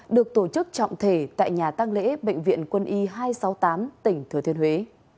được tổ chức trọng thể tại nhà tăng lễ bệnh viện quân y hai trăm sáu mươi tám tỉnh thừa thiên huế